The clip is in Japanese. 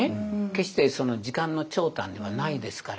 決して時間の長短ではないですから。